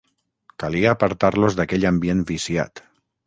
Calia apartar-los d’aquell ambient viciat.